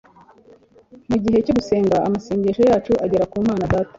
mugihe cyo gusenga amasengesho yacu agera ku Imana Data